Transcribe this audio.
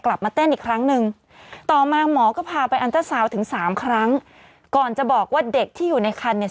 กลับมาเต้นอีกครั้งหนึ่งต่อมาหมอก็พาไปอันเตอร์ซาวน์ถึงสามครั้งก่อนจะบอกว่าเด็กที่อยู่ในคันเนี่ย